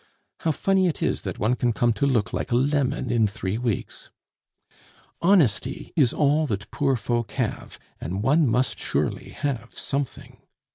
How funny it is that one can come to look like a lemon in three weeks!... Honesty is all that poor folk have, and one must surely have something!